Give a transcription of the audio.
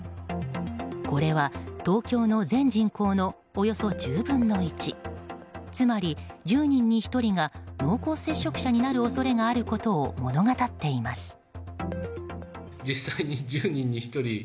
これは、東京の全人口のおよそ１０分の１。つまり、１０人に１人が濃厚接触者になる恐れがあることを物語っています。